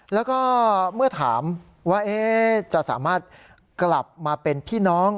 แล้วก็เมื่อถามว่าจะสามารถกลับมาเป็นพี่น้อง